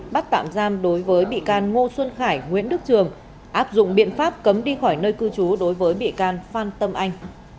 bắt tạm giam đối với bị can ngô xuân khải nguyễn đức trường áp dụng biện pháp cấm đi khỏi nơi cư trú đối với bị can phan tâm anh